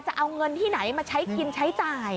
จะเอาเงินที่ไหนมาใช้กินใช้จ่าย